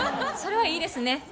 それはいいですね。